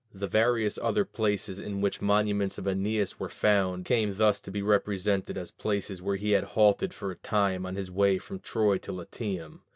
The various other places in which monuments of Æneas were found came thus to be represented as places where he had halted for a time on his way from Troy to Latium.